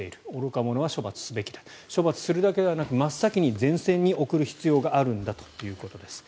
愚か者は処罰するべき処罰するだけでなく真っ先に前線に送る必要があるんだということです。